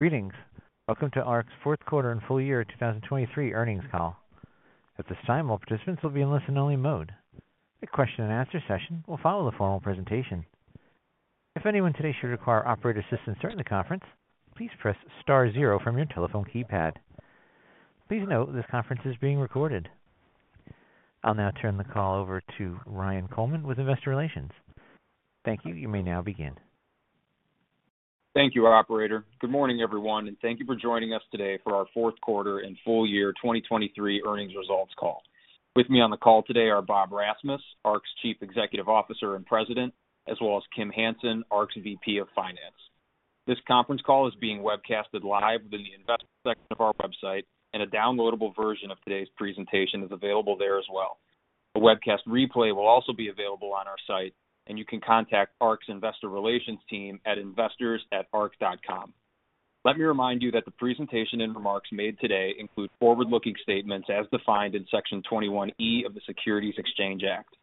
Greetings. Welcome to Arq's fourth quarter and full year 2023 earnings call. At this time, all participants will be in listen-only mode. A question-and-answer session will follow the formal presentation. If anyone today should require operator assistance during the conference, please press star zero from your telephone keypad. Please note, this conference is being recorded. I'll now turn the call over to Ryan Coleman with Investor Relations. Thank you. You may now begin. Thank you, our operator. Good morning, everyone, and thank you for joining us today for our fourth quarter and full year 2023 earnings results call. With me on the call today are Bob Rasmus, Arq's Chief Executive Officer and President, as well as Kim Hansen, Arq's VP of Finance. This conference call is being webcasted live within the Investor section of our website, and a downloadable version of today's presentation is available there as well. A webcast replay will also be available on our site, and you can contact Arq's Investor Relations team at investors@arq.com. Let me remind you that the presentation and remarks made today include forward-looking statements as defined in Section 21E of the Securities Exchange Act.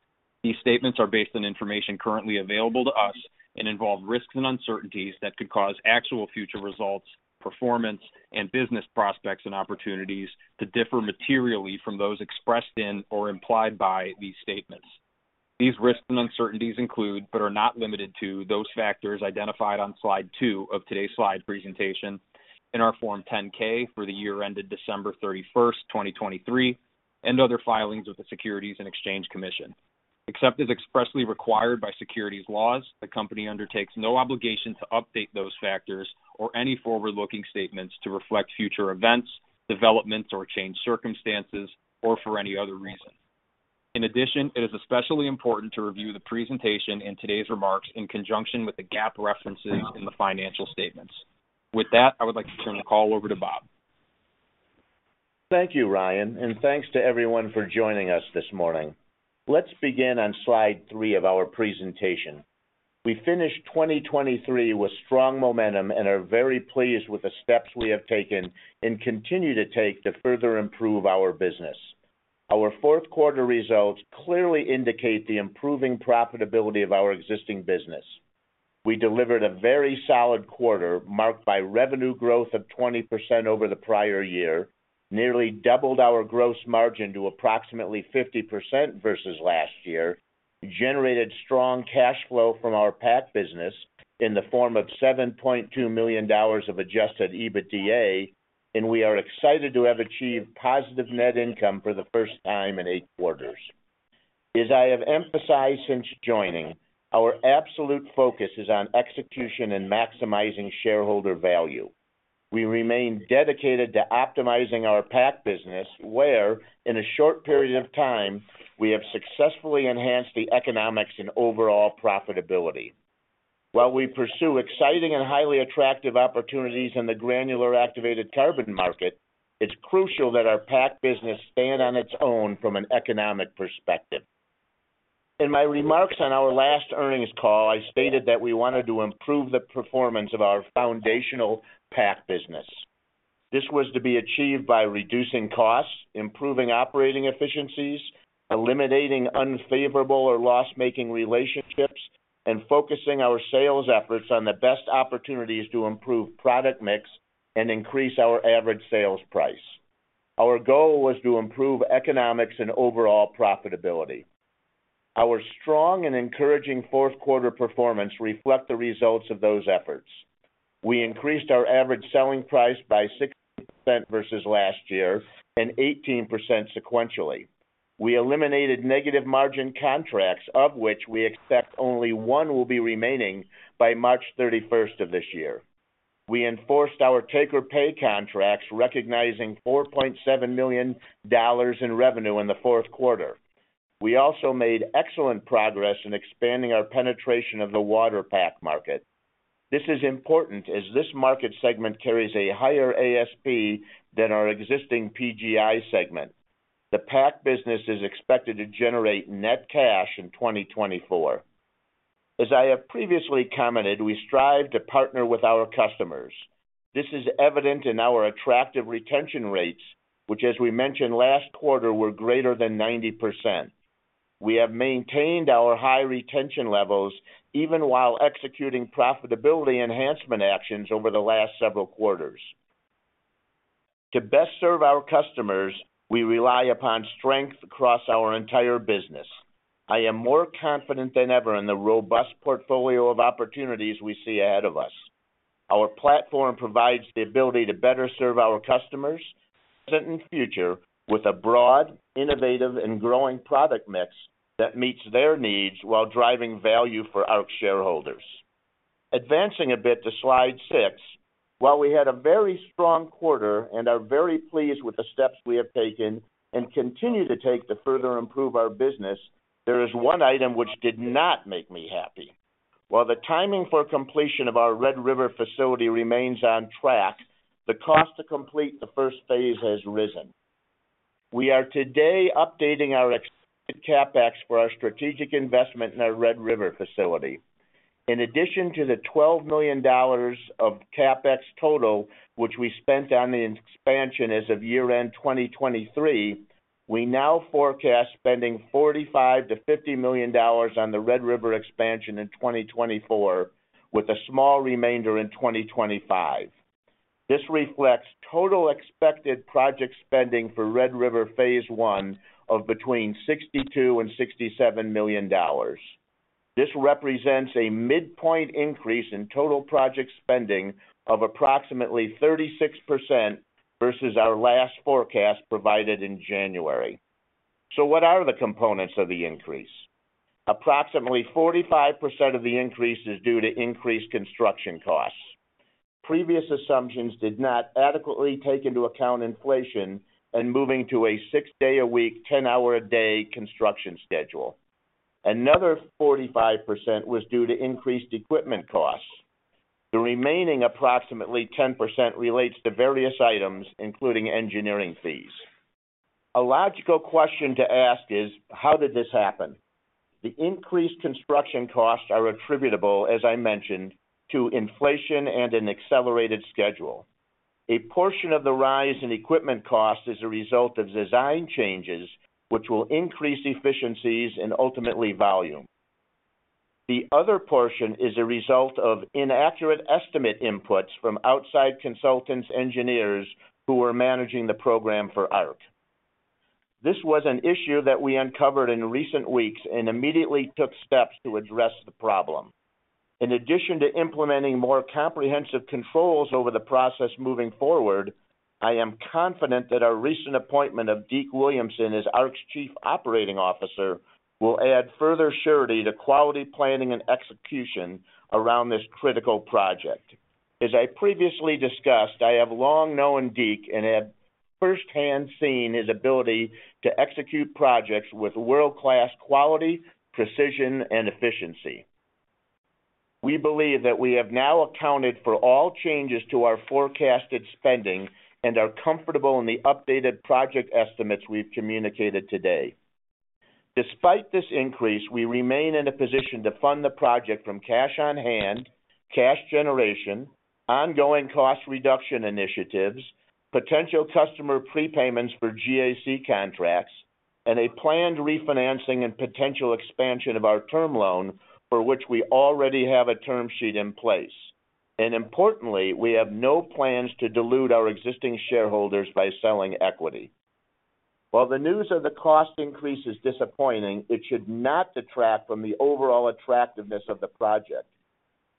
These statements are based on information currently available to us and involve risks and uncertainties that could cause actual future results, performance, and business prospects and opportunities to differ materially from those expressed in or implied by these statements. These risks and uncertainties include but are not limited to those factors identified on slide two of today's slide presentation in our Form 10-K for the year ended December 31st, 2023, and other filings with the Securities and Exchange Commission. Except as expressly required by securities laws, the company undertakes no obligation to update those factors or any forward-looking statements to reflect future events, developments, or changed circumstances, or for any other reason. In addition, it is especially important to review the presentation and today's remarks in conjunction with the GAAP references in the financial statements. With that, I would like to turn the call over to Bob. Thank you, Ryan, and thanks to everyone for joining us this morning. Let's begin on slide three of our presentation. We finished 2023 with strong momentum and are very pleased with the steps we have taken and continue to take to further improve our business. Our fourth quarter results clearly indicate the improving profitability of our existing business. We delivered a very solid quarter marked by revenue growth of 20% over the prior year, nearly doubled our gross margin to approximately 50% versus last year, generated strong cash flow from our PAC business in the form of $7.2 million of Adjusted EBITDA, and we are excited to have achieved positive net income for the first time in eight quarters. As I have emphasized since joining, our absolute focus is on execution and maximizing shareholder value. We remain dedicated to optimizing our PAC business where, in a short period of time, we have successfully enhanced the economics and overall profitability. While we pursue exciting and highly attractive opportunities in the granular activated carbon market, it's crucial that our PAC business stand on its own from an economic perspective. In my remarks on our last earnings call, I stated that we wanted to improve the performance of our foundational PAC business. This was to be achieved by reducing costs, improving operating efficiencies, eliminating unfavorable or loss-making relationships, and focusing our sales efforts on the best opportunities to improve product mix and increase our average sales price. Our goal was to improve economics and overall profitability. Our strong and encouraging fourth quarter performance reflect the results of those efforts. We increased our average selling price by 60% versus last year and 18% sequentially. We eliminated negative margin contracts, of which we expect only one will be remaining by March 31st of this year. We enforced our take-or-pay contracts, recognizing $4.7 million in revenue in the fourth quarter. We also made excellent progress in expanding our penetration of the water PAC market. This is important as this market segment carries a higher ASP than our existing PGI segment. The PAC business is expected to generate net cash in 2024. As I have previously commented, we strive to partner with our customers. This is evident in our attractive retention rates, which, as we mentioned last quarter, were greater than 90%. We have maintained our high retention levels even while executing profitability enhancement actions over the last several quarters. To best serve our customers, we rely upon strength across our entire business. I am more confident than ever in the robust portfolio of opportunities we see ahead of us. Our platform provides the ability to better serve our customers, present and future, with a broad, innovative, and growing product mix that meets their needs while driving value for Arq shareholders. Advancing a bit to slide six, while we had a very strong quarter and are very pleased with the steps we have taken and continue to take to further improve our business, there is one item which did not make me happy. While the timing for completion of our Red River facility remains on track, the cost to complete the first phase has risen. We are today updating our expected CapEx for our strategic investment in our Red River facility. In addition to the $12 million of CapEx total, which we spent on the expansion as of year-end 2023, we now forecast spending $45-$50 million on the Red River expansion in 2024, with a small remainder in 2025. This reflects total expected project spending for Red River phase I of between $62 and $67 million. This represents a midpoint increase in total project spending of approximately 36% versus our last forecast provided in January. So what are the components of the increase? Approximately 45% of the increase is due to increased construction costs. Previous assumptions did not adequately take into account inflation and moving to a six-day-a-week, 10-hour-a-day construction schedule. Another 45% was due to increased equipment costs. The remaining approximately 10% relates to various items, including engineering fees. A logical question to ask is, how did this happen? The increased construction costs are attributable, as I mentioned, to inflation and an accelerated schedule. A portion of the rise in equipment costs is a result of design changes, which will increase efficiencies and ultimately volume. The other portion is a result of inaccurate estimate inputs from outside consultants, engineers who were managing the program for Arq. This was an issue that we uncovered in recent weeks and immediately took steps to address the problem. In addition to implementing more comprehensive controls over the process moving forward, I am confident that our recent appointment of Deke Williamson as Arq's Chief Operating Officer will add further surety to quality planning and execution around this critical project. As I previously discussed, I have long known Deke and have firsthand seen his ability to execute projects with world-class quality, precision, and efficiency. We believe that we have now accounted for all changes to our forecasted spending and are comfortable in the updated project estimates we've communicated today. Despite this increase, we remain in a position to fund the project from cash on hand, cash generation, ongoing cost reduction initiatives, potential customer prepayments for GAC contracts, and a planned refinancing and potential expansion of our term loan for which we already have a term sheet in place. And importantly, we have no plans to dilute our existing shareholders by selling equity. While the news of the cost increase is disappointing, it should not detract from the overall attractiveness of the project.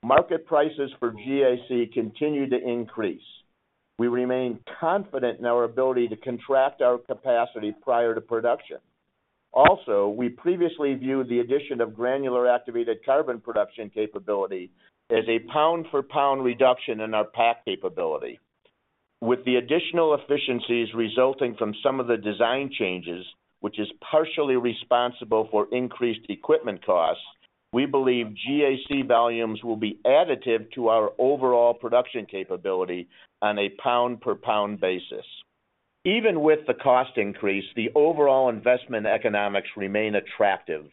Market prices for GAC continue to increase. We remain confident in our ability to contract our capacity prior to production. Also, we previously viewed the addition of granular activated carbon production capability as a pound-for-pound reduction in our PAC capability. With the additional efficiencies resulting from some of the design changes, which is partially responsible for increased equipment costs, we believe GAC volumes will be additive to our overall production capability on a pound-for-pound basis. Even with the cost increase, the overall investment economics remain attractive.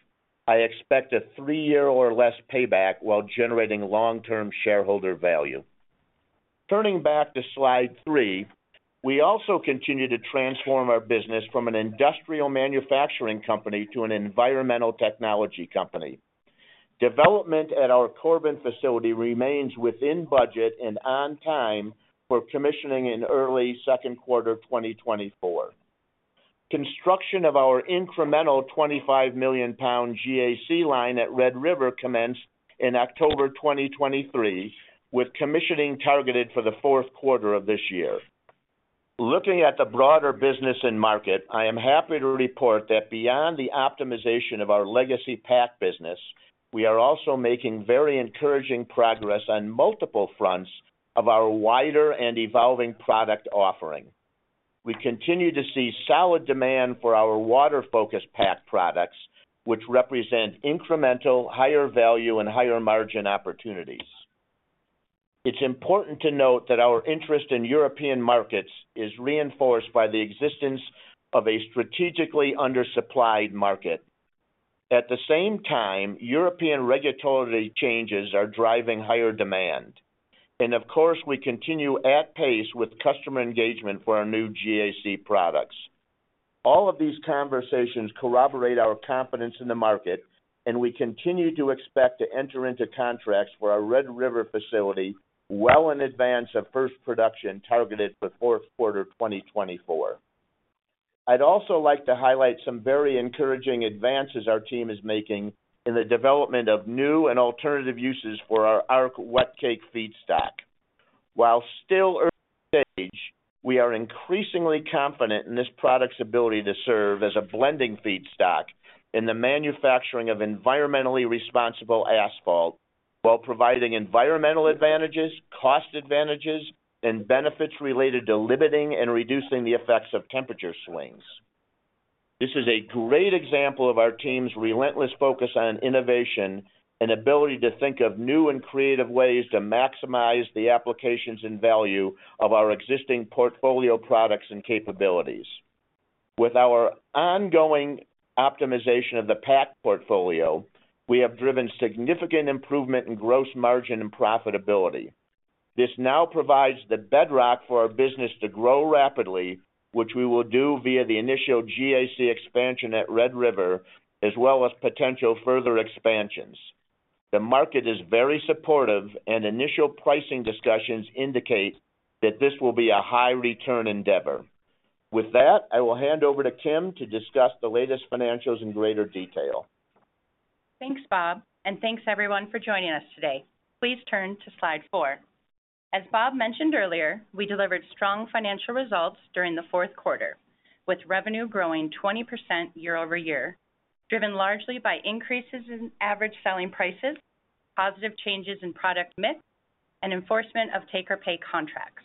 I expect a three-year or less payback while generating long-term shareholder value. Turning back to slide 3, we also continue to transform our business from an industrial manufacturing company to an environmental technology company. Development at our Corbin facility remains within budget and on time for commissioning in early second quarter 2024. Construction of our incremental 25 million pound GAC line at Red River commenced in October 2023, with commissioning targeted for the fourth quarter of this year. Looking at the broader business and market, I am happy to report that beyond the optimization of our legacy PAC business, we are also making very encouraging progress on multiple fronts of our wider and evolving product offering. We continue to see solid demand for our water-focused PAC products, which represent incremental, higher value, and higher margin opportunities. It's important to note that our interest in European markets is reinforced by the existence of a strategically undersupplied market. At the same time, European regulatory changes are driving higher demand. Of course, we continue at pace with customer engagement for our new GAC products. All of these conversations corroborate our confidence in the market, and we continue to expect to enter into contracts for our Red River facility well in advance of first production targeted for fourth quarter 2024. I'd also like to highlight some very encouraging advances our team is making in the development of new and alternative uses for our Arq wet cake feedstock. While still early stage, we are increasingly confident in this product's ability to serve as a blending feedstock in the manufacturing of environmentally responsible asphalt while providing environmental advantages, cost advantages, and benefits related to limiting and reducing the effects of temperature swings. This is a great example of our team's relentless focus on innovation and ability to think of new and creative ways to maximize the applications and value of our existing portfolio products and capabilities. With our ongoing optimization of the PAC portfolio, we have driven significant improvement in gross margin and profitability. This now provides the bedrock for our business to grow rapidly, which we will do via the initial GAC expansion at Red River as well as potential further expansions. The market is very supportive, and initial pricing discussions indicate that this will be a high-return endeavor. With that, I will hand over to Kim to discuss the latest financials in greater detail. Thanks, Bob, and thanks everyone for joining us today. Please turn to slide four. As Bob mentioned earlier, we delivered strong financial results during the fourth quarter, with revenue growing 20% year-over-year, driven largely by increases in average selling prices, positive changes in product mix, and enforcement of take-or-pay contracts.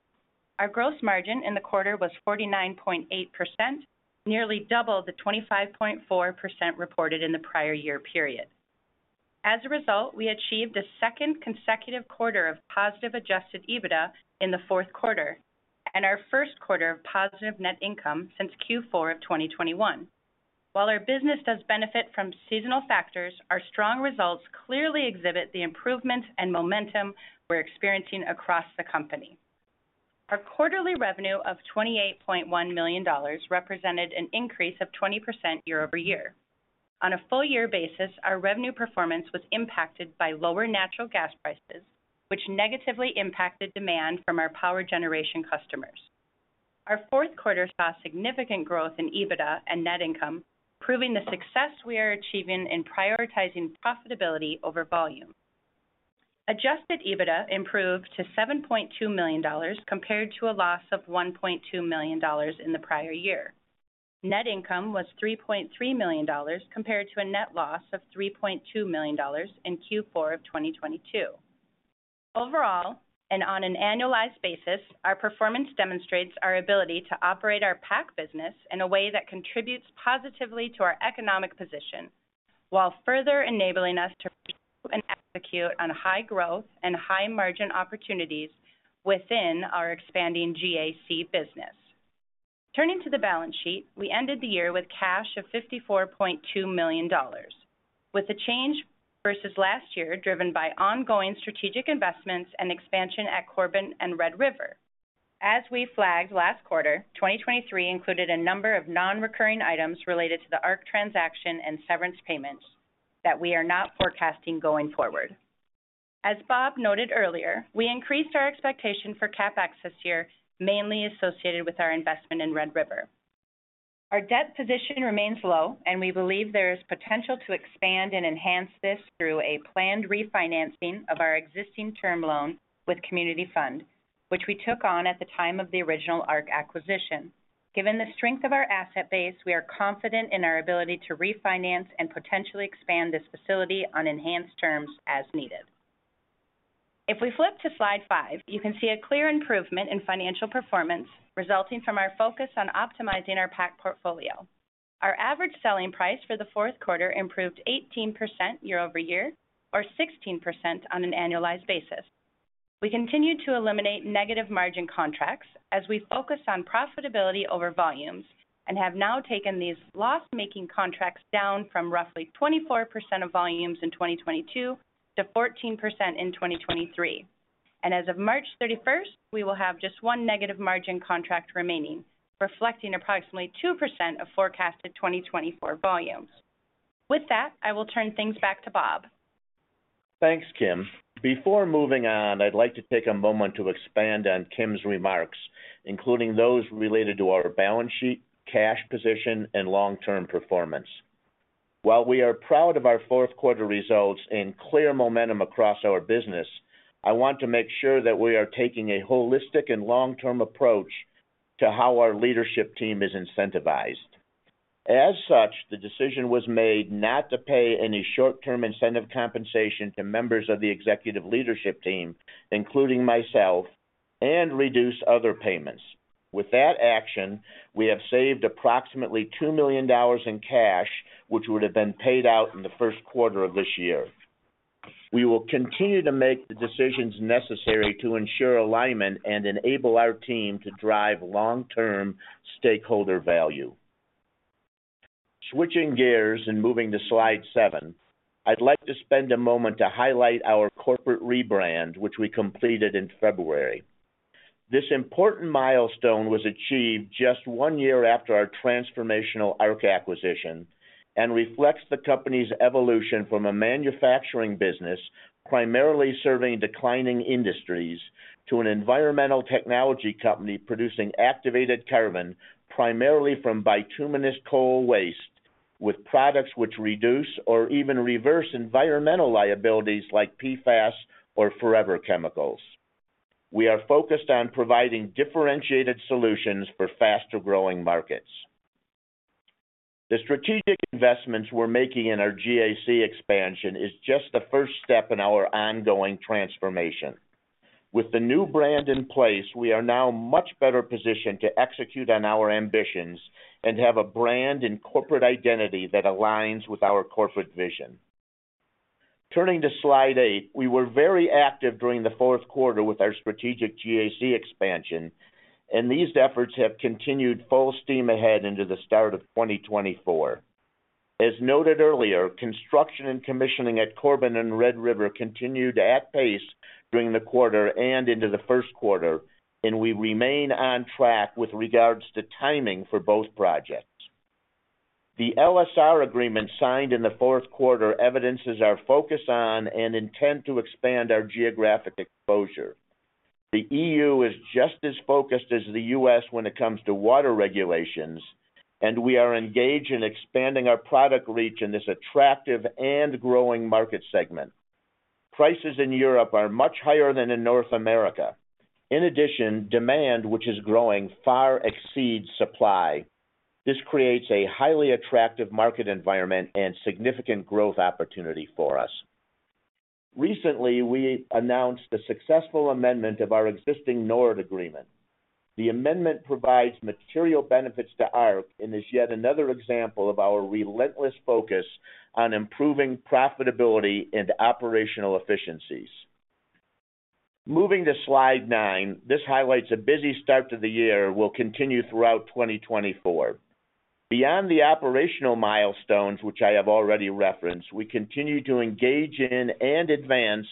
Our gross margin in the quarter was 49.8%, nearly double the 25.4% reported in the prior year period. As a result, we achieved a second consecutive quarter of positive adjusted EBITDA in the fourth quarter and our first quarter of positive net income since Q4 of 2021. While our business does benefit from seasonal factors, our strong results clearly exhibit the improvements and momentum we're experiencing across the company. Our quarterly revenue of $28.1 million represented an increase of 20% year-over-year. On a full-year basis, our revenue performance was impacted by lower natural gas prices, which negatively impacted demand from our power generation customers. Our fourth quarter saw significant growth in EBITDA and net income, proving the success we are achieving in prioritizing profitability over volume. Adjusted EBITDA improved to $7.2 million compared to a loss of $1.2 million in the prior year. Net income was $3.3 million compared to a net loss of $3.2 million in Q4 of 2022. Overall, and on an annualized basis, our performance demonstrates our ability to operate our PAC business in a way that contributes positively to our economic position while further enabling us to pursue and execute on high growth and high margin opportunities within our expanding GAC business. Turning to the balance sheet, we ended the year with cash of $54.2 million, with the change versus last year driven by ongoing strategic investments and expansion at Corbin and Red River. As we flagged last quarter, 2023 included a number of non-recurring items related to the Arq transaction and severance payments that we are not forecasting going forward. As Bob noted earlier, we increased our expectation for CapEx this year, mainly associated with our investment in Red River. Our debt position remains low, and we believe there is potential to expand and enhance this through a planned refinancing of our existing term loan with Community Fund, which we took on at the time of the original Arq acquisition. Given the strength of our asset base, we are confident in our ability to refinance and potentially expand this facility on enhanced terms as needed. If we flip to slide 5, you can see a clear improvement in financial performance resulting from our focus on optimizing our PAC portfolio. Our average selling price for the fourth quarter improved 18% year-over-year, or 16% on an annualized basis. We continue to eliminate negative margin contracts as we focus on profitability over volumes and have now taken these loss-making contracts down from roughly 24% of volumes in 2022 to 14% in 2023. As of March 31st, we will have just 1 negative margin contract remaining, reflecting approximately 2% of forecasted 2024 volumes. With that, I will turn things back to Bob. Thanks, Kim. Before moving on, I'd like to take a moment to expand on Kim's remarks, including those related to our balance sheet, cash position, and long-term performance. While we are proud of our fourth quarter results and clear momentum across our business, I want to make sure that we are taking a holistic and long-term approach to how our leadership team is incentivized. As such, the decision was made not to pay any short-term incentive compensation to members of the executive leadership team, including myself, and reduce other payments. With that action, we have saved approximately $2 million in cash, which would have been paid out in the first quarter of this year. We will continue to make the decisions necessary to ensure alignment and enable our team to drive long-term stakeholder value. Switching gears and moving to slide 7, I'd like to spend a moment to highlight our corporate rebrand, which we completed in February. This important milestone was achieved just 1 year after our transformational Arq acquisition and reflects the company's evolution from a manufacturing business primarily serving declining industries to an environmental technology company producing activated carbon primarily from bituminous coal waste, with products which reduce or even reverse environmental liabilities like PFAS or Forever Chemicals. We are focused on providing differentiated solutions for faster-growing markets. The strategic investments we're making in our GAC expansion are just the first step in our ongoing transformation. With the new brand in place, we are now much better positioned to execute on our ambitions and have a brand and corporate identity that aligns with our corporate vision. Turning to slide 8, we were very active during the fourth quarter with our strategic GAC expansion, and these efforts have continued full steam ahead into the start of 2024. As noted earlier, construction and commissioning at Corbin and Red River continued at pace during the quarter and into the first quarter, and we remain on track with regards to timing for both projects. The LSR agreement signed in the fourth quarter evidences our focus on and intent to expand our geographic exposure. The EU is just as focused as the U.S. when it comes to water regulations, and we are engaged in expanding our product reach in this attractive and growing market segment. Prices in Europe are much higher than in North America. In addition, demand, which is growing, far exceeds supply. This creates a highly attractive market environment and significant growth opportunity for us. Recently, we announced the successful amendment of our existing NORD agreement. The amendment provides material benefits to Arq and is yet another example of our relentless focus on improving profitability and operational efficiencies. Moving to slide nine, this highlights a busy start to the year and will continue throughout 2024. Beyond the operational milestones, which I have already referenced, we continue to engage in and advance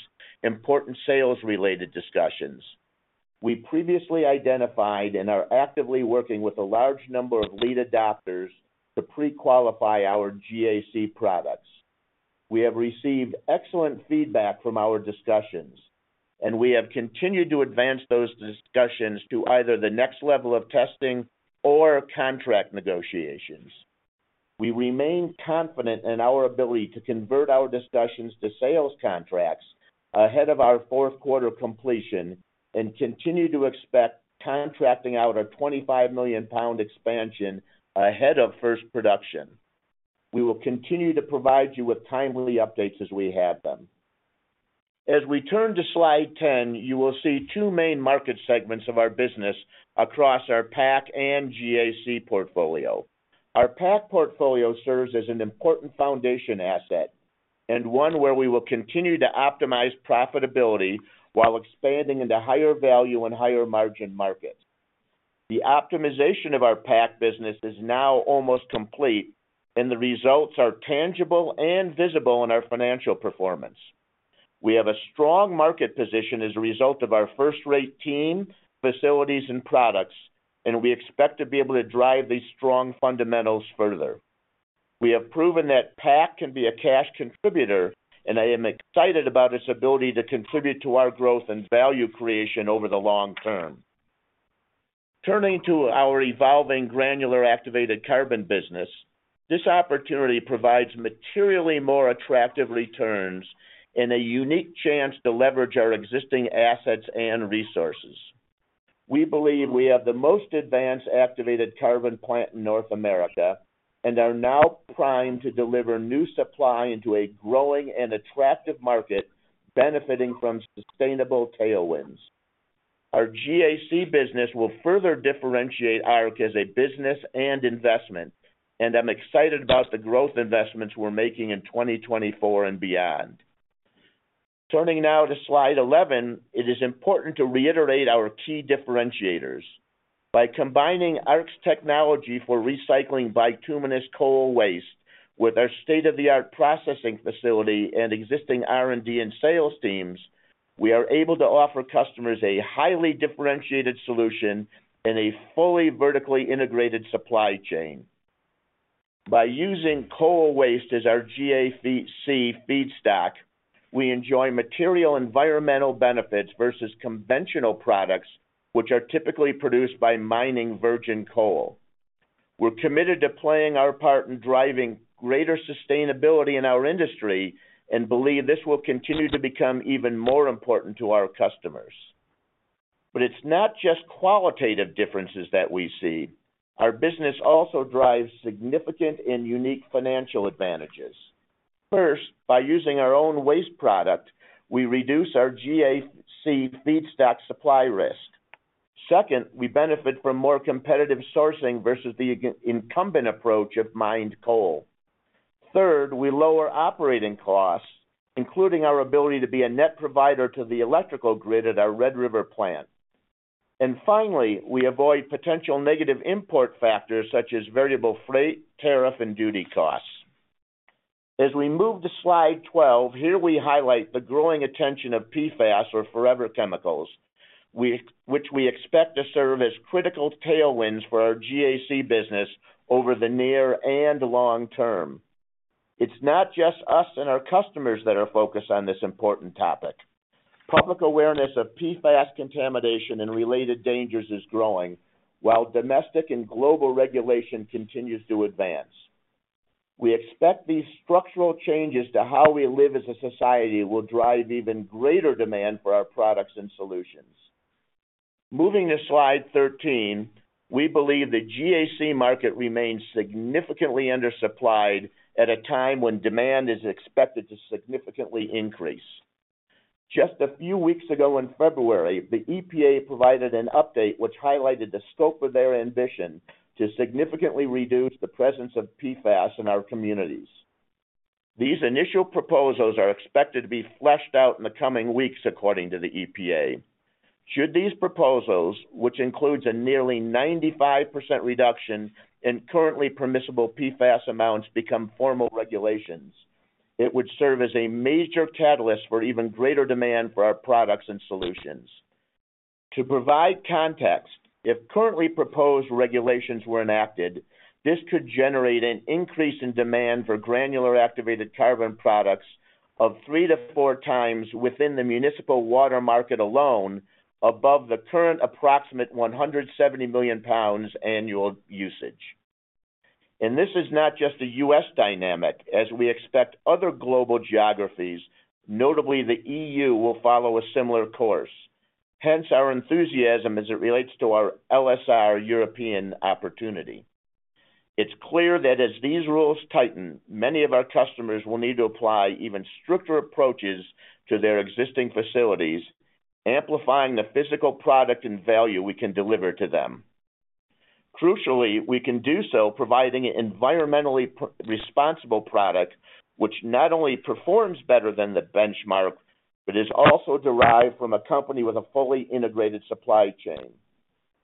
important sales-related discussions. We previously identified and are actively working with a large number of lead adopters to pre-qualify our GAC products. We have received excellent feedback from our discussions, and we have continued to advance those discussions to either the next level of testing or contract negotiations. We remain confident in our ability to convert our discussions to sales contracts ahead of our fourth quarter completion and continue to expect contracting out a 25 million pound expansion ahead of first production. We will continue to provide you with timely updates as we have them. As we turn to slide 10, you will see two main market segments of our business across our PAC and GAC portfolio. Our PAC portfolio serves as an important foundation asset and one where we will continue to optimize profitability while expanding into higher value and higher margin markets. The optimization of our PAC business is now almost complete, and the results are tangible and visible in our financial performance. We have a strong market position as a result of our first-rate team, facilities, and products, and we expect to be able to drive these strong fundamentals further. We have proven that PAC can be a cash contributor, and I am excited about its ability to contribute to our growth and value creation over the long term. Turning to our evolving granular activated carbon business, this opportunity provides materially more attractive returns and a unique chance to leverage our existing assets and resources. We believe we have the most advanced activated carbon plant in North America and are now primed to deliver new supply into a growing and attractive market benefiting from sustainable tailwinds. Our GAC business will further differentiate Arq as a business and investment, and I'm excited about the growth investments we're making in 2024 and beyond. Turning now to slide 11, it is important to reiterate our key differentiators. By combining Arq's technology for recycling bituminous coal waste with our state-of-the-art processing facility and existing R&D and sales teams, we are able to offer customers a highly differentiated solution and a fully vertically integrated supply chain. By using coal waste as our GAC feedstock, we enjoy material environmental benefits versus conventional products, which are typically produced by mining virgin coal. We're committed to playing our part in driving greater sustainability in our industry and believe this will continue to become even more important to our customers. But it's not just qualitative differences that we see. Our business also drives significant and unique financial advantages. First, by using our own waste product, we reduce our GAC feedstock supply risk. Second, we benefit from more competitive sourcing versus the incumbent approach of mined coal. Third, we lower operating costs, including our ability to be a net provider to the electrical grid at our Red River plant. And finally, we avoid potential negative import factors such as variable freight, tariff, and duty costs. As we move to slide 12, here we highlight the growing attention of PFAS or Forever Chemicals, which we expect to serve as critical tailwinds for our GAC business over the near and long term. It's not just us and our customers that are focused on this important topic. Public awareness of PFAS contamination and related dangers is growing while domestic and global regulation continues to advance. We expect these structural changes to how we live as a society will drive even greater demand for our products and solutions. Moving to slide 13, we believe the GAC market remains significantly undersupplied at a time when demand is expected to significantly increase. Just a few weeks ago in February, the EPA provided an update which highlighted the scope of their ambition to significantly reduce the presence of PFAS in our communities. These initial proposals are expected to be fleshed out in the coming weeks according to the EPA. Should these proposals, which include a nearly 95% reduction in currently permissible PFAS amounts, become formal regulations, it would serve as a major catalyst for even greater demand for our products and solutions. To provide context, if currently proposed regulations were enacted, this could generate an increase in demand for granular activated carbon products of 3-4 times within the municipal water market alone above the current approximate 170 million pounds annual usage. And this is not just a U.S. dynamic, as we expect other global geographies, notably the EU, will follow a similar course. Hence, our enthusiasm as it relates to our LSR European opportunity. It's clear that as these rules tighten, many of our customers will need to apply even stricter approaches to their existing facilities, amplifying the physical product and value we can deliver to them. Crucially, we can do so providing an environmentally responsible product which not only performs better than the benchmark but is also derived from a company with a fully integrated supply chain.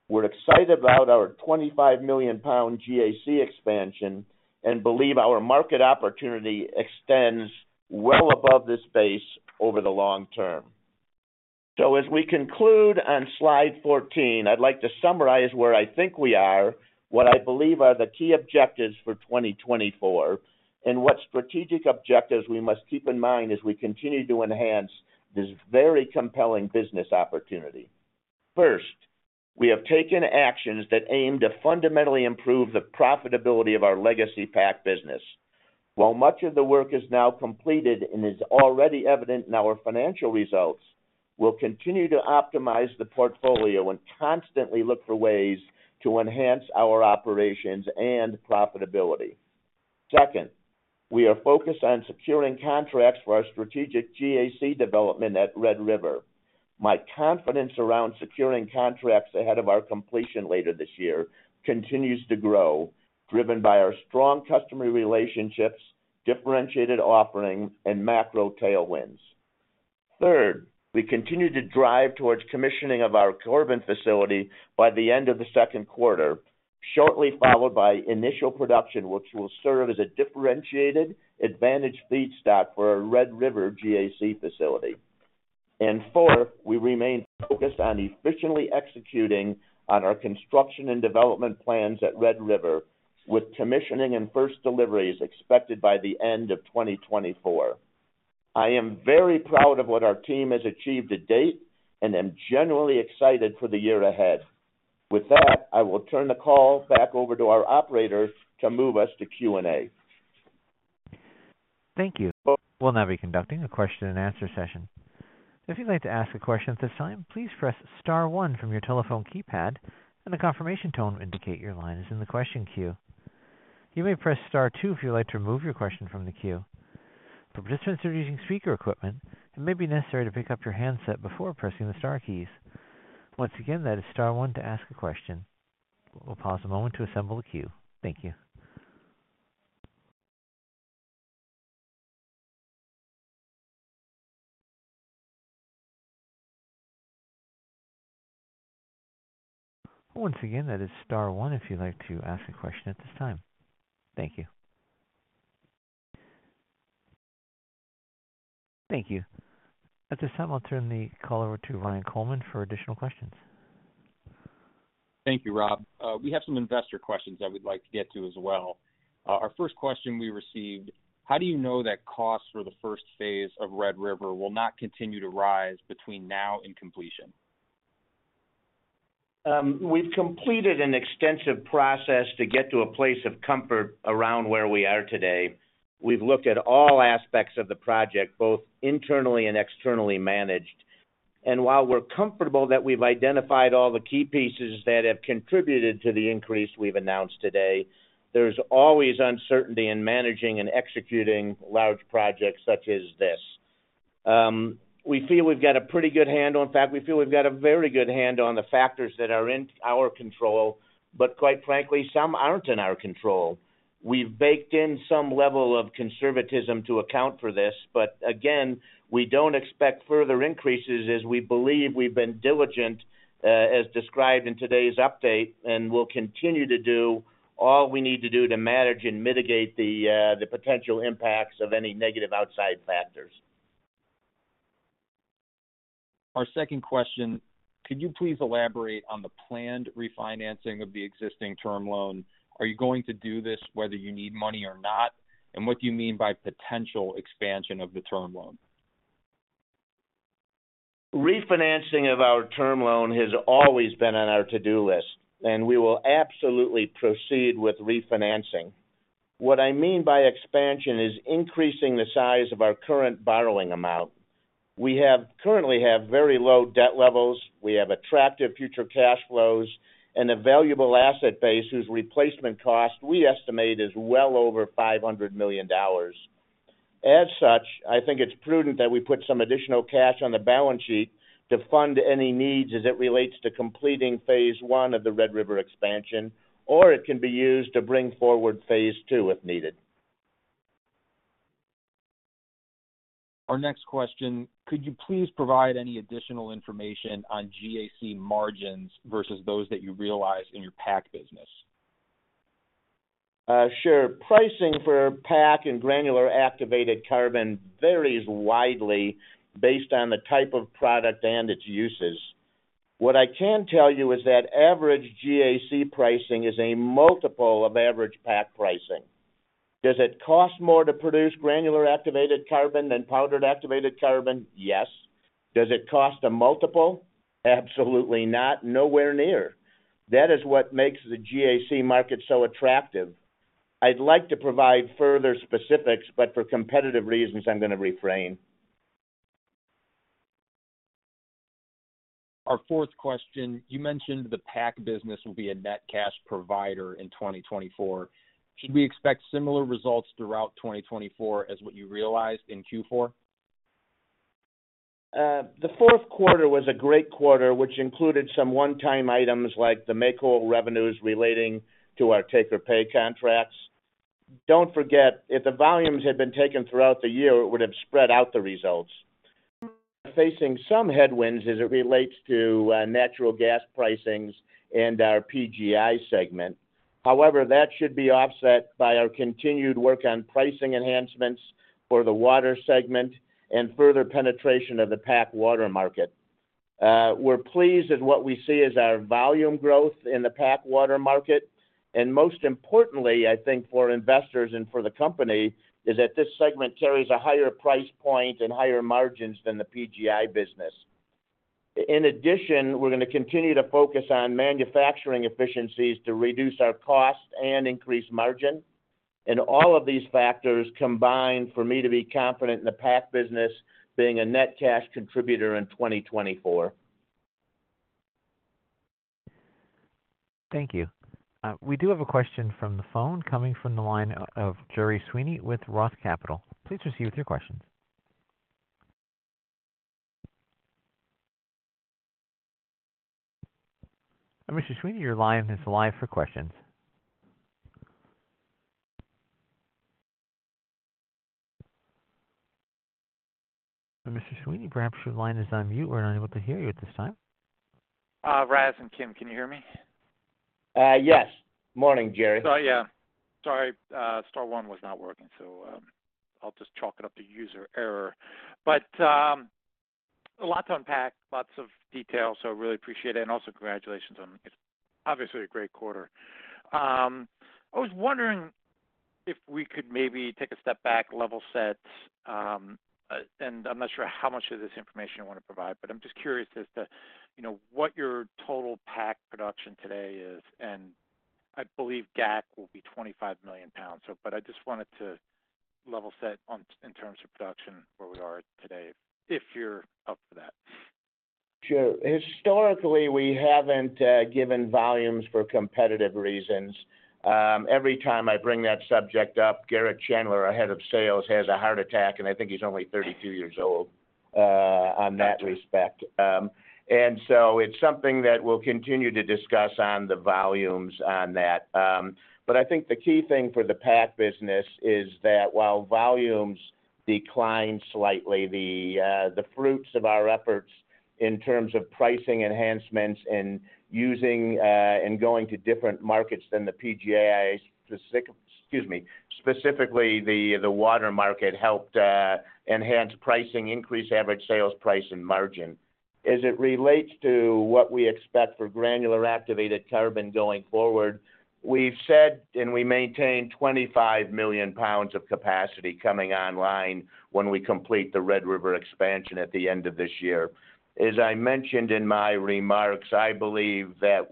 We're excited about our 25 million pound GAC expansion and believe our market opportunity extends well above this base over the long term. So as we conclude on slide 14, I'd like to summarize where I think we are, what I believe are the key objectives for 2024, and what strategic objectives we must keep in mind as we continue to enhance this very compelling business opportunity. First, we have taken actions that aim to fundamentally improve the profitability of our legacy PAC business. While much of the work is now completed and is already evident in our financial results, we'll continue to optimize the portfolio and constantly look for ways to enhance our operations and profitability. Second, we are focused on securing contracts for our strategic GAC development at Red River. My confidence around securing contracts ahead of our completion later this year continues to grow, driven by our strong customer relationships, differentiated offering, and macro tailwinds. Third, we continue to drive towards commissioning of our Corbin facility by the end of the second quarter, shortly followed by initial production which will serve as a differentiated advantage feedstock for our Red River GAC facility. And fourth, we remain focused on efficiently executing on our construction and development plans at Red River, with commissioning and first deliveries expected by the end of 2024. I am very proud of what our team has achieved to date and am genuinely excited for the year ahead. With that, I will turn the call back over to our operator to move us to Q&A. Thank you. We'll now be conducting a question-and-answer session. If you'd like to ask a question at this time, please press star one from your telephone keypad, and the confirmation tone will indicate your line is in the question queue. You may press star two if you'd like to remove your question from the queue. For participants who are using speaker equipment, it may be necessary to pick up your handset before pressing the star keys. Once again, that is star one to ask a question. We'll pause a moment to assemble the queue. Thank you. Once again, that is star one if you'd like to ask a question at this time. Thank you. Thank you. At this time, I'll turn the call over to Ryan Coleman for additional questions. Thank you, Rob. We have some investor questions that we'd like to get to as well. Our first question we received: how do you know that costs for the first phase of Red River will not continue to rise between now and completion? We've completed an extensive process to get to a place of comfort around where we are today. We've looked at all aspects of the project, both internally and externally managed. And while we're comfortable that we've identified all the key pieces that have contributed to the increase we've announced today, there's always uncertainty in managing and executing large projects such as this. We feel we've got a pretty good handle on in fact, we feel we've got a very good handle on the factors that are in our control, but quite frankly, some aren't in our control. We've baked in some level of conservatism to account for this, but again, we don't expect further increases as we believe we've been diligent as described in today's update and will continue to do all we need to do to manage and mitigate the potential impacts of any negative outside factors. Our second question: could you please elaborate on the planned refinancing of the existing term loan? Are you going to do this whether you need money or not? And what do you mean by potential expansion of the term loan? Refinancing of our term loan has always been on our to-do list, and we will absolutely proceed with refinancing. What I mean by expansion is increasing the size of our current borrowing amount. We currently have very low debt levels. We have attractive future cash flows and a valuable asset base whose replacement cost we estimate is well over $500 million. As such, I think it's prudent that we put some additional cash on the balance sheet to fund any needs as it relates to completing phase 1 of the Red River expansion, or it can be used to bring forward phase 2 if needed. Our next question: could you please provide any additional information on GAC margins versus those that you realize in your PAC business? Sure. Pricing for PAC and granular activated carbon varies widely based on the type of product and its uses. What I can tell you is that average GAC pricing is a multiple of average PAC pricing. Does it cost more to produce granular activated carbon than powdered activated carbon? Yes. Does it cost a multiple? Absolutely not. Nowhere near. That is what makes the GAC market so attractive. I'd like to provide further specifics, but for competitive reasons, I'm going to refrain. Our fourth question: you mentioned the PAC business will be a net cash provider in 2024. Should we expect similar results throughout 2024 as what you realized in Q4? The fourth quarter was a great quarter, which included some one-time items like the make-whole revenues relating to our take-or-pay contracts. Don't forget, if the volumes had been taken throughout the year, it would have spread out the results. We're facing some headwinds as it relates to natural gas pricings and our PGI segment. However, that should be offset by our continued work on pricing enhancements for the water segment and further penetration of the PAC water market. We're pleased at what we see as our volume growth in the PAC water market. Most importantly, I think for investors and for the company, is that this segment carries a higher price point and higher margins than the PGI business. In addition, we're going to continue to focus on manufacturing efficiencies to reduce our cost and increase margin. All of these factors combine for me to be confident in the PAC business being a net cash contributor in 2024. Thank you. We do have a question from the phone coming from the line of Gerry Sweeney with Roth Capital. Please proceed with your questions. Mr. Sweeney, your line is live for questions. Mr. Sweeney, perhaps your line is on mute or unable to hear you at this time. Ras and Kim, can you hear me? Yes. Morning, Gerry. Oh, yeah. Sorry, star one was not working, so I'll just chalk it up to user error. But a lot to unpack, lots of details, so I really appreciate it. And also, congratulations. It's obviously a great quarter. I was wondering if we could maybe take a step back, level set, and I'm not sure how much of this information you want to provide, but I'm just curious as to what your total PAC production today is. And I believe GAC will be 25 million pounds, but I just wanted to level set in terms of production where we are today if you're up for that. Sure. Historically, we haven't given volumes for competitive reasons. Every time I bring that subject up, Garrett Chandler, our head of sales, has a heart attack, and I think he's only 32 years old on that respect. And so it's something that we'll continue to discuss on the volumes on that. But I think the key thing for the PAC business is that while volumes decline slightly, the fruits of our efforts in terms of pricing enhancements and going to different markets than the PGI, excuse me, specifically the water market helped enhance pricing, increase average sales price, and margin. As it relates to what we expect for granular activated carbon going forward, we've said and we maintain 25 million pounds of capacity coming online when we complete the Red River expansion at the end of this year. As I mentioned in my remarks, I believe that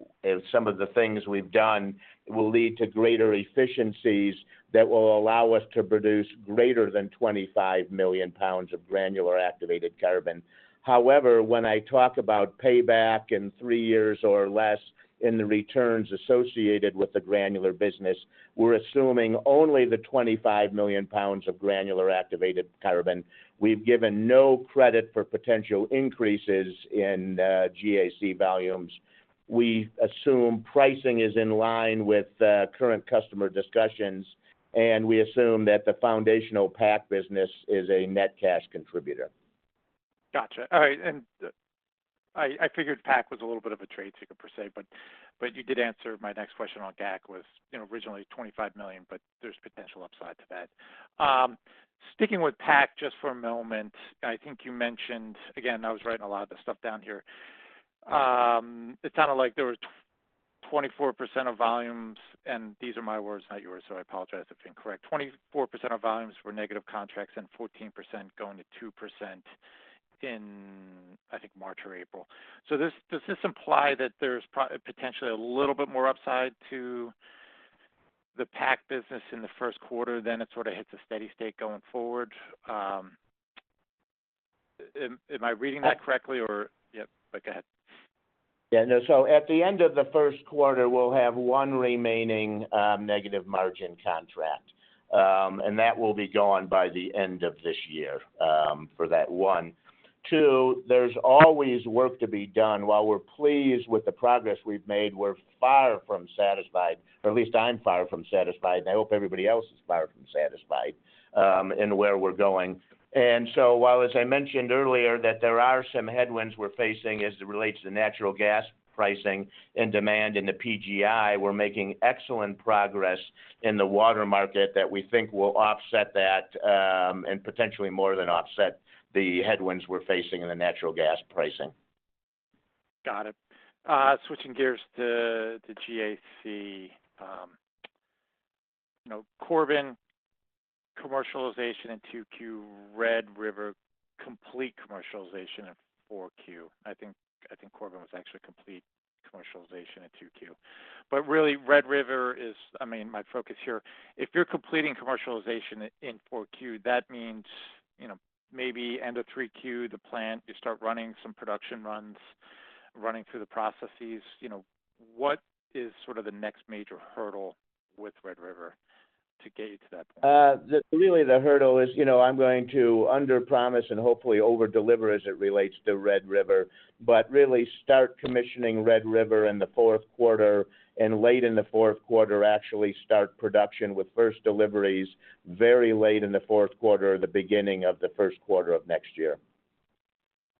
some of the things we've done will lead to greater efficiencies that will allow us to produce greater than $25 million of granular activated carbon. However, when I talk about payback in three years or less in the returns associated with the granular business, we're assuming only the $25 million of granular activated carbon. We've given no credit for potential increases in GAC volumes. We assume pricing is in line with current customer discussions, and we assume that the foundational PAC business is a net cash contributor. Gotcha. All right. And I figured PAC was a little bit of a trade secret per se, but you did answer my next question on GAC was originally 25 million, but there's potential upside to that. Sticking with PAC just for a moment, I think you mentioned again, I was writing a lot of the stuff down here. It sounded like there was 24% of volumes were negative contracts and 14% going to 2% in, I think, March or April. So does this imply that there's potentially a little bit more upside to the PAC business in the first quarter than it sort of hits a steady state going forward? Am I reading that correctly, or? Yep, go ahead. Yeah. No. So at the end of the first quarter, we'll have one remaining negative margin contract, and that will be gone by the end of this year for that one. Two, there's always work to be done. While we're pleased with the progress we've made, we're far from satisfied, or at least I'm far from satisfied, and I hope everybody else is far from satisfied in where we're going. And so while, as I mentioned earlier, that there are some headwinds we're facing as it relates to natural gas pricing and demand in the PGI, we're making excellent progress in the water market that we think will offset that and potentially more than offset the headwinds we're facing in the natural gas pricing. Got it. Switching gears to GAC, Corbin commercialization in 2Q, Red River complete commercialization in 4Q. I think Corbin was actually complete commercialization in 2Q. But really, Red River is—I mean, my focus here—if you're completing commercialization in 4Q, that means maybe end of 3Q, the plant, you start running some production runs, running through the processes. What is sort of the next major hurdle with Red River to get you to that point? Really, the hurdle is I'm going to underpromise and hopefully overdeliver as it relates to Red River, but really start commissioning Red River in the fourth quarter and late in the fourth quarter actually start production with first deliveries, very late in the fourth quarter, the beginning of the first quarter of next year.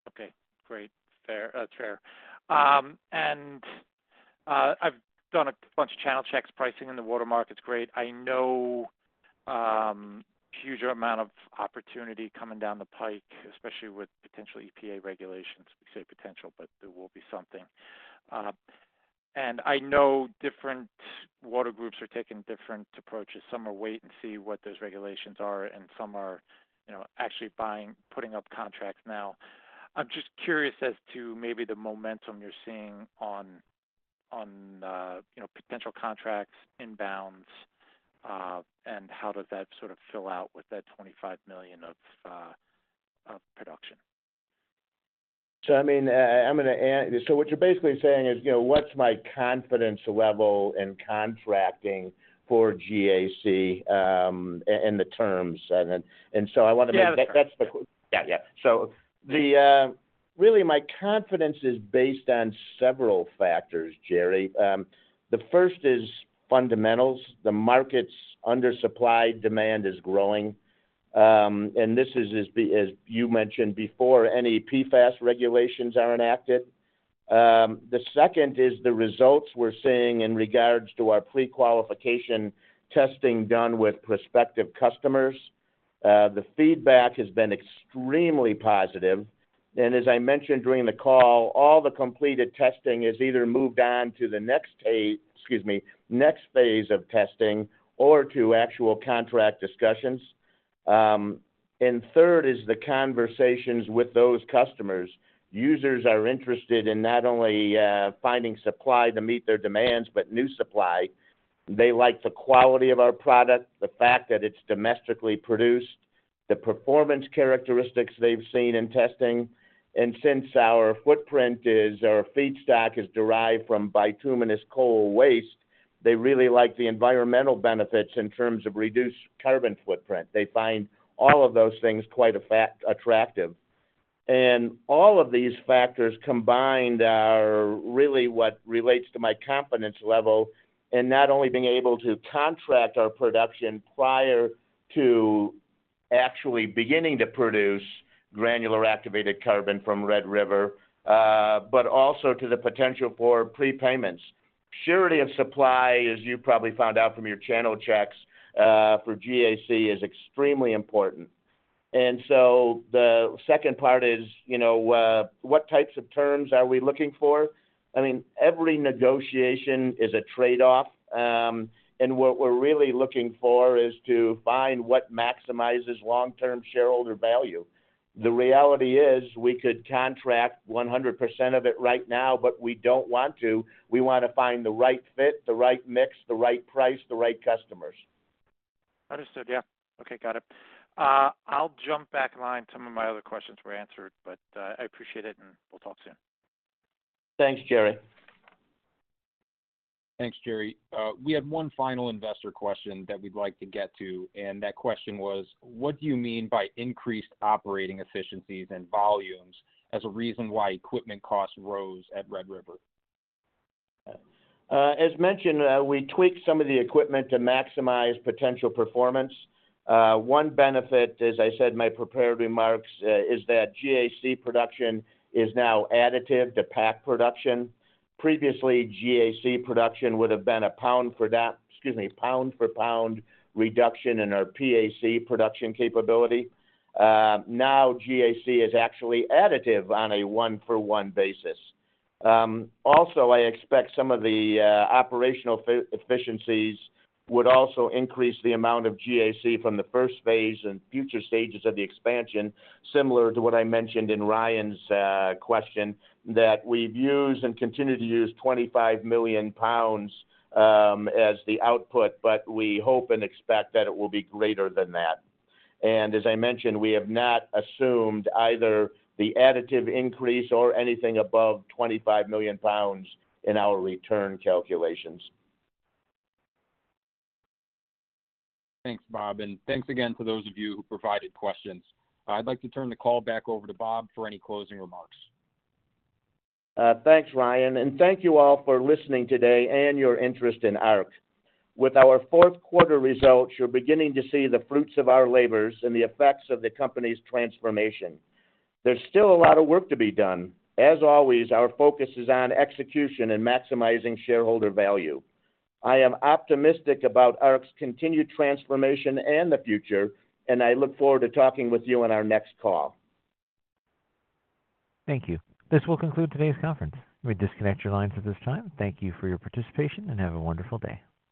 Okay. Great. Fair. And I've done a bunch of channel checks. Pricing in the water market's great. I know a huge amount of opportunity coming down the pike, especially with potential EPA regulations. We say potential, but there will be something. And I know different water groups are taking different approaches. Some are wait and see what those regulations are, and some are actually putting up contracts now. I'm just curious as to maybe the momentum you're seeing on potential contracts, inbounds, and how does that sort of fill out with that $25 million of production? So I mean, what you're basically saying is what's my confidence level in contracting for GAC and the terms? And so I want to make sure that's the yeah, yeah. So really, my confidence is based on several factors, Gerry. The first is fundamentals. The market's undersupplied. Demand is growing. And this is, as you mentioned, before any PFAS regulations are enacted. The second is the results we're seeing in regards to our pre-qualification testing done with prospective customers. The feedback has been extremely positive. And as I mentioned during the call, all the completed testing has either moved on to the next—excuse me, next phase of testing or to actual contract discussions. And third is the conversations with those customers. Users are interested in not only finding supply to meet their demands, but new supply. They like the quality of our product, the fact that it's domestically produced, the performance characteristics they've seen in testing. Since our feedstock is derived from bituminous coal waste, they really like the environmental benefits in terms of reduced carbon footprint. They find all of those things quite attractive. All of these factors combined are really what relates to my confidence level in not only being able to contract our production prior to actually beginning to produce granular activated carbon from Red River, but also to the potential for prepayments. Surety of supply, as you've probably found out from your channel checks for GAC, is extremely important. So the second part is what types of terms are we looking for? I mean, every negotiation is a trade-off. What we're really looking for is to find what maximizes long-term shareholder value. The reality is we could contract 100% of it right now, but we don't want to. We want to find the right fit, the right mix, the right price, the right customers. Understood. Yeah. Okay. Got it. I'll jump back in line to some of my other questions were answered, but I appreciate it, and we'll talk soon. Thanks, Gerry. Thanks, Gerry. We had one final investor question that we'd like to get to, and that question was, "What do you mean by increased operating efficiencies and volumes as a reason why equipment costs rose at Red River? As mentioned, we tweaked some of the equipment to maximize potential performance. One benefit, as I said in my prepared remarks, is that GAC production is now additive to PAC production. Previously, GAC production would have been a pound-for-pound reduction in our PAC production capability. Now, GAC is actually additive on a one-for-one basis. Also, I expect some of the operational efficiencies would also increase the amount of GAC from the first phase and future stages of the expansion, similar to what I mentioned in Ryan's question, that we've used and continue to use 25 million pounds as the output, but we hope and expect that it will be greater than that. As I mentioned, we have not assumed either the additive increase or anything above 25 million pounds in our return calculations. Thanks, Bob. Thanks again to those of you who provided questions. I'd like to turn the call back over to Bob for any closing remarks. Thanks, Ryan. Thank you all for listening today and your interest in Arq. With our fourth quarter results, you're beginning to see the fruits of our labors and the effects of the company's transformation. There's still a lot of work to be done. As always, our focus is on execution and maximizing shareholder value. I am optimistic about Arq's continued transformation and the future, and I look forward to talking with you on our next call. Thank you. This will conclude today's conference. Let me disconnect your lines at this time. Thank you for your participation, and have a wonderful day.